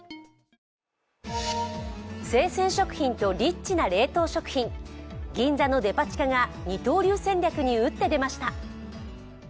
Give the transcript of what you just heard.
生鮮食品とリッチな冷凍食品、銀座のデパ地下が二刀流戦略に打って出ました。